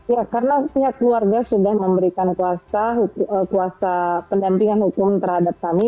ya karena pihak keluarga sudah memberikan kuasa pendampingan hukum terhadap kami